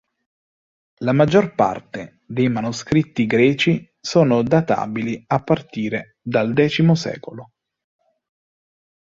La maggior parte dei manoscritti greci sono databili a partire dal X secolo.